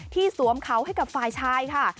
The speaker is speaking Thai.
สวมเขาให้กับฝ่ายชายค่ะ